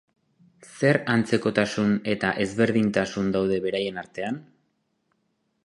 Zer antzekotasun eta ezberdintasun daude beraien artean?